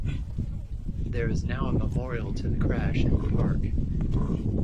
There is now a memorial to the crash in the park.